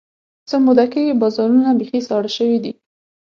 څه موده کېږي، بازارونه بیخي ساړه شوي دي.